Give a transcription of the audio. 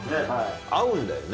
合うんだよね。